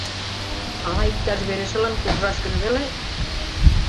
Ала иктаж вере шылын куржаш гын веле?